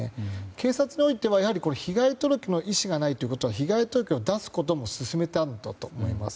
警察においては被害届の意思がないということは被害届を出すことも勧めたんだと思います。